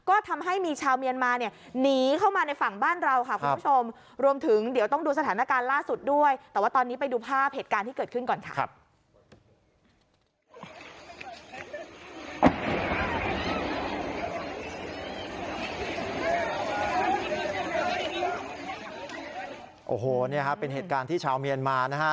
โอ้โหเนี่ยค่ะเป็นเหตุการณ์ที่ชาวเมียนมานะฮะ